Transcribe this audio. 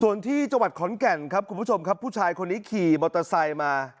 ส่วนที่จังหวัดขอนแก่นครับคุณผู้ชมครับผู้ชายคนนี้ขี่มอเตอร์ไซค์มา